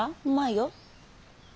うまいよ。